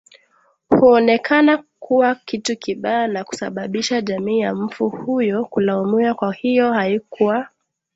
huonekana kuwa kitu kibaya na kusababisha jamii ya mfu huyo kulaumiwa Kwa hiyo haikuwa